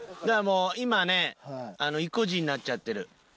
だからもう今ね意固地になっちゃってる。